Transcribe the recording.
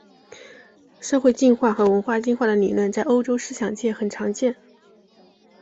社会进化和文化进化的理论在欧洲思想界很常见。